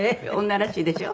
女らしいでしょ？